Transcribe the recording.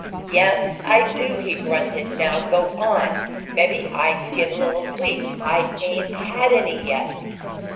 "Yes, I do," he grunted. "Now go on. Maybe I can get a little sleep. I ain't had any yet!"